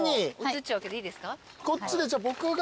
こっちでじゃあ僕が。